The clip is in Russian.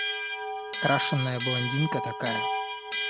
Крашеная блондинка такая.